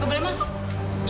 gak boleh masuk